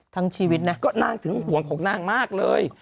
ชีวิตนะก็นางถึงห่วงของนางมากเลย